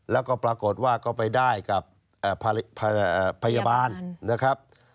แล้วก็ปรากฏว่าก็ไปได้กับพยาบาลนะครับ